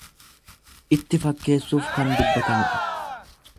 Itti fakkeessuuf kan dubbatamudha.